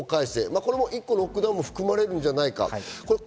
これもロックダウンも含まれるんじゃないか。